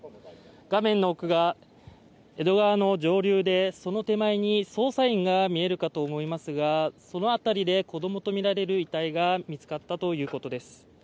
画面の奥が江戸川の上流で、その手前に捜査員が見えるかと思いますがその辺りで子供とみられる遺体が見つかったということです。